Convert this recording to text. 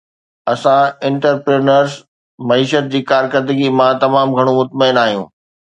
اسان انٽرپرينيوئرز معيشت جي ڪارڪردگي مان تمام گهڻو مطمئن آهيون